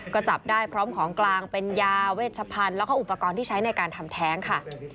ก็จับได้พร้อมของกลางเป็นยาเวชพันธุ์แล้วก็อุปกรณ์ที่ใช้ในการทำแท้งค่ะ